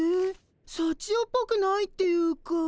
さちよっぽくないっていうか。